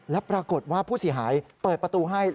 และปรากฏว่าผู้เสียหายเปิดประตูให้